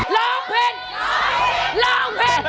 ร้องเพลงร้องเพลง